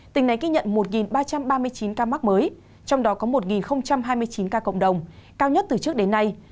tỉnh này ghi nhận một ba trăm ba mươi chín ca mắc mới trong đó có một hai mươi chín ca cộng đồng cao nhất từ trước đến nay